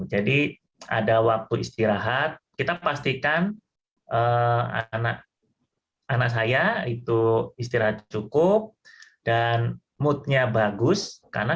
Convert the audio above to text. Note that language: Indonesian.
jadi ada waktu istirahat kita pastikan anak anak saya itu istirahat cukup dan moodnya bagus karena